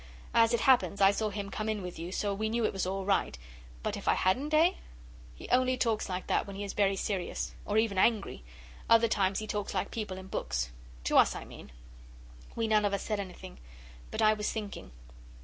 As it happens I saw him come in with you, so we knew it was all right. But if I hadn't, eh?' He only talks like that when he is very serious, or even angry. Other times he talks like people in books to us, I mean. We none of us said anything. But I was thinking.